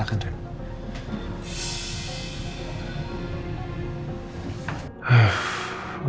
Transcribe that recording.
mungkin harusnya papa yang menjelaskan